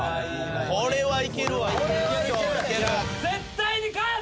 これはいけるわ。